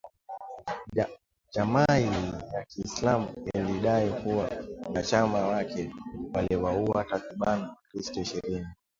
Jamaii ya kiislam ilidai kuwa wanachama wake waliwauwa takribani wakristo ishirini